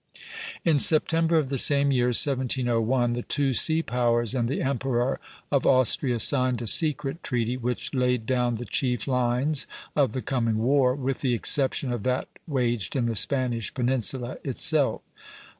In September of the same year, 1701, the two sea powers and the Emperor of Austria signed a secret treaty, which laid down the chief lines of the coming war, with the exception of that waged in the Spanish peninsula itself.